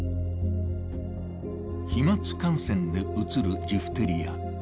飛まつ感染でうつるジフテリア。